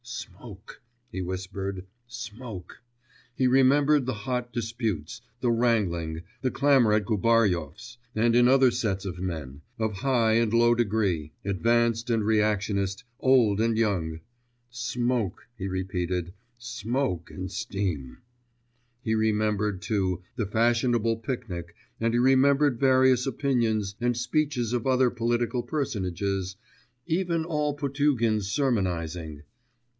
'Smoke,' he whispered, 'smoke'; he remembered the hot disputes, the wrangling, the clamour at Gubaryov's, and in other sets of men, of high and low degree, advanced and reactionist, old and young ... 'Smoke,' he repeated, 'smoke and steam'; he remembered, too, the fashionable picnic, and he remembered various opinions and speeches of other political personages even all Potugin's sermonising